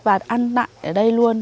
và ăn nặng ở đây luôn